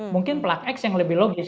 mungkin plug x yang lebih logis